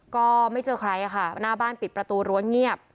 ก็ไม่เจอใครค่ะหน้าบ้านปิดประตูรั้วเงียบ